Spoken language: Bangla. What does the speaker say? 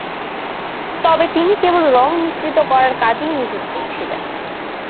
তবে তিনি কেবল রঙ মিশ্রিত করার কাজেই নিযুক্ত ছিলেন।